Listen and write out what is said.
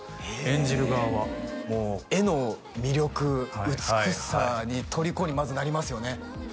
演じる側は画の魅力美しさにとりこにまずなりますよね